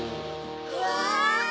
うわ！